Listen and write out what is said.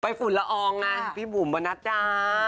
ไปฝุ่นละอองนะพี่บุ๋มวันนัดด้า